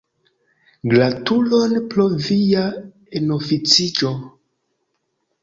Gratulon pro via enoficiĝo.